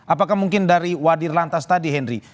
apakah mungkin dari wadir lantas tadi henry